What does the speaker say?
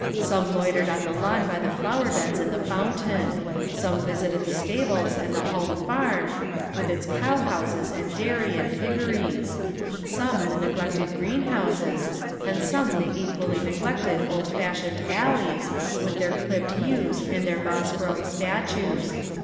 Some loitered on the lawn by the flower beds and the fountain; some visited the stables and the home farm, with its cow houses and dairy and piggeries; some the neglected greenhouses, and some the equally neglected old fashioned alleys, with their clipped yews and their moss grown statues.